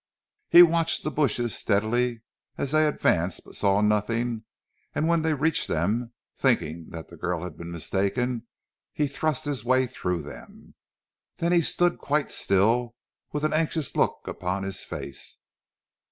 He watched the bushes steadily as they advanced but saw nothing and when they reached them, thinking that the girl had been mistaken, he thrust his way through them. Then he stood quite still with an anxious look upon his face.